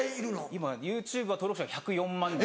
今ＹｏｕＴｕｂｅは登録者が１０４万人。